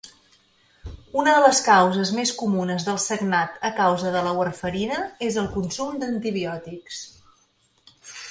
Una de les causes més comunes del sagnat a causa de la warfarina és el consum d'antibiòtics.